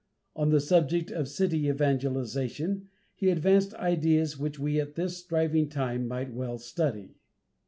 On the subject of city evangelization, he advanced ideas which we at this striving time might well study.